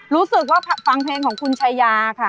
รู้สึกว่าฟังเพลงของคุณชายาค่ะ